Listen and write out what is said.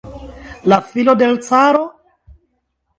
La filo de l' caro?